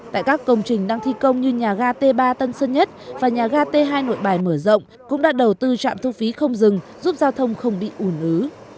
tại các công trình đang thi công như nhà ga t ba tân sơn nhất và nhà ga t hai nội bài mở rộng cũng đã đầu tư trạm thu phí không dừng giúp giao thông không bị ủn ứ